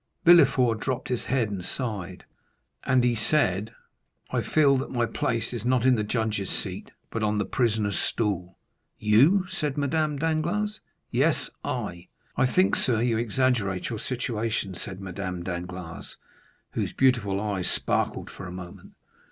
Villefort dropped his head and sighed. "And I," he said, "I feel that my place is not in the judge's seat, but on the prisoner's bench." 30263m "You?" said Madame Danglars. "Yes, I." "I think, sir, you exaggerate your situation," said Madame Danglars, whose beautiful eyes sparkled for a moment.